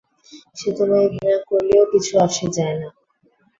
সে তোমায় ঘৃণা করলেও কিছু আসে যায় না!